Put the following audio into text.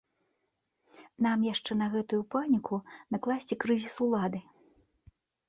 Нам яшчэ на гэтую паніку накласці крызіс улады.